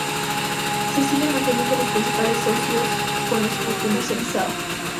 Se siguen manteniendo los principales socios con los que comercializaba.